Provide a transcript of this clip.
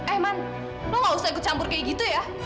eh man lo gak usah ikut campur kayak gitu ya